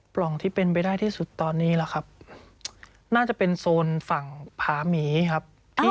ร่องที่เป็นไปได้ที่สุดตอนนี้แหละครับน่าจะเป็นโซนฝั่งผาหมีครับที่